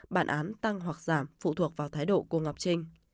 bản án tăng hoặc giảm phụ thuộc vào thái độ cô ngọc trinh